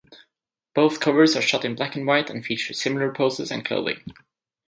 Both covers are shot in black and white and features similar poses and clothing.